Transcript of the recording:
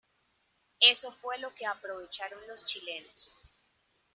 Eso fue lo que aprovecharon los chilenos.